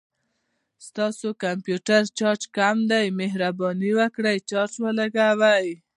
ستاسو د کمپوټر چارج کم دی، مهرباني وکړه چارج ولګوه